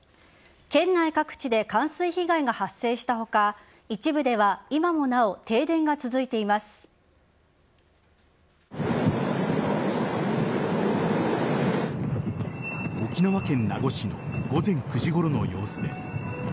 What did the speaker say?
県内各地で冠水被害が発生した他一部では今もなお停電が続いています。沖縄県名護市の午前９時ごろの様子です。